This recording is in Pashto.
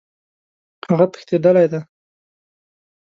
هغه تښتېدلی دی.